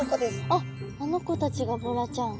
あっあの子たちがボラちゃん。